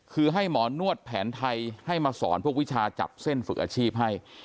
คือให้หมอนวดแผนไทยให้มาสอนพวกวิชาจับเส้นฝึกอาชีพให้